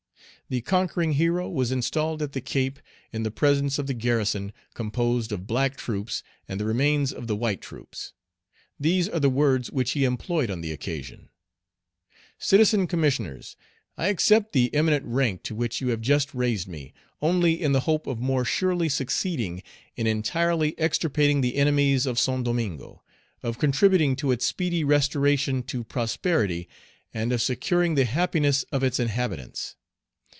The conquering hero was installed at the Cape, in the presence of the garrison, composed of black troops, and the remains of the white troops. These are the words which he employed on the occasion: "Citizen Commissioners, I accept the eminent rank to which you have just raised me, only in the hope of more surely succeeding in entirely extirpating the enemies of Saint Domingo, of contributing to its speedy restoration to prosperity, and of securing the happiness of its inhabitants.